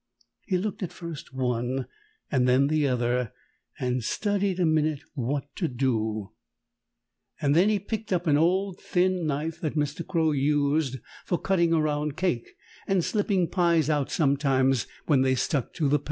He looked at first one and then the other, and studied a minute what to do. Then he picked up an old thin knife that Mr. Crow used for cutting around cake and slipping pies out sometimes when they stuck to the pan.